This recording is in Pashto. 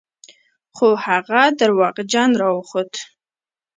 خو هغه دروغجن راوخوت.